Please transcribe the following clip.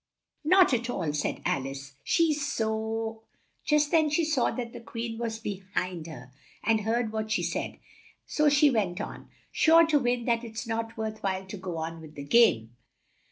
"Not at all," said Al ice, "she's so " Just then she saw that the Queen was be hind her and heard what she said; so she went on, "sure to win that it's not worth while to go on with the game."